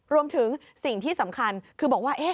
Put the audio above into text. รวมถึงสิ่งที่สำคัญคือบอกว่า